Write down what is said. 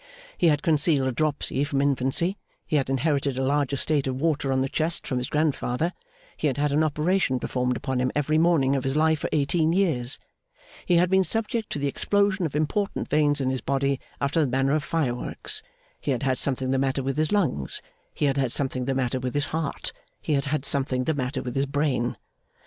He had concealed a dropsy from infancy, he had inherited a large estate of water on the chest from his grandfather, he had had an operation performed upon him every morning of his life for eighteen years, he had been subject to the explosion of important veins in his body after the manner of fireworks, he had had something the matter with his lungs, he had had something the matter with his heart, he had had something the matter with his brain.